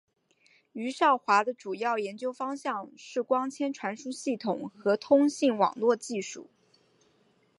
余少华的主要研究方向是光纤传输系统和通信网络技术。